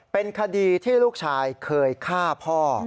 เป็นคดีที่ลูกชายเคยฆ่าพ่อ